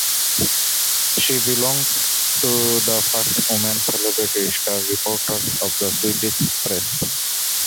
She belonged to the first women celebrity star reporters of the Swedish press.